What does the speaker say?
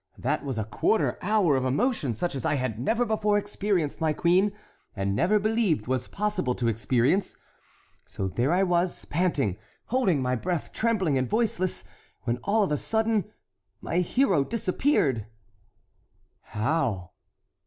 That was a quarter hour of emotion such as I had never before experienced, my queen; and never believed was possible to experience. So there I was panting, holding my breath, trembling, and voiceless, when all of a sudden my hero disappeared." "How?"